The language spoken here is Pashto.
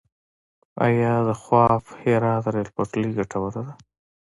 آیا د خواف - هرات ریل پټلۍ ګټوره ده؟